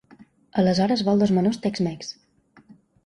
Aleshores vol dos menús Tex Mex.